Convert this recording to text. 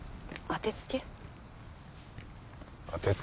あてつけ？